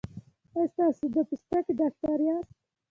ایا تاسو د پوستکي ډاکټر یاست؟